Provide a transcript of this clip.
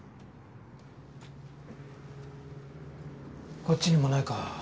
こっちにもないか。